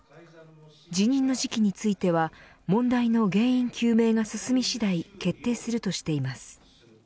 辞任の時期については問題の原因究明が進み次第決定するとしています。